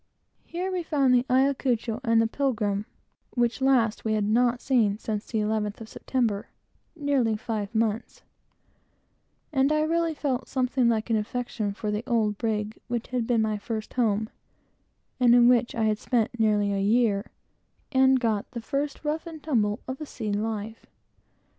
Here we found the Ayacucho and the Pilgrim, which last we had not seen since the 11th of September, nearly five months; and I really felt something like an affection for the old brig which had been my first home, and in which I had spent nearly a year, and got the first rough and tumble of a sea life.